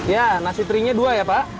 ya nasi terinya dua ya pak